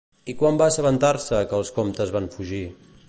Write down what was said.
I quan va assabentar-se que els comtes van fugir?